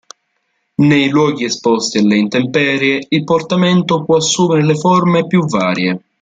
Nei luoghi esposti alle intemperie, il portamento può assumere le forme più varie.